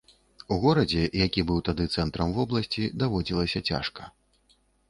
У горадзе, які быў тады цэнтрам вобласці, даводзілася цяжка.